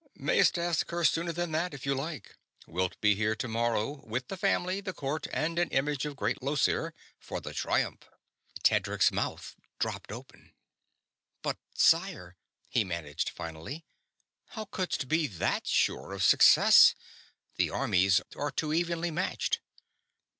"Mayst ask her sooner than that, if you like. Wilt be here tomorrow with the Family, the Court, and an image of Great Llosir for the Triumph." Tedric's mouth dropped open. "But sire," he managed finally, "how couldst be that sure of success? The armies are too evenly matched."